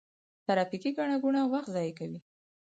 ترافیکي ګڼه ګوڼه وخت ضایع کوي.